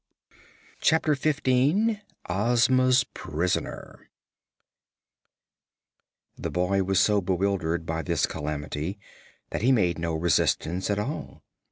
Chapter Fifteen Ozma's Prisoner The boy was so bewildered by this calamity that he made no resistance at all.